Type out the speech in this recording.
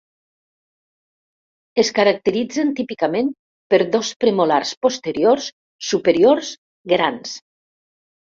Es caracteritzen típicament per dos premolars posteriors superiors grans.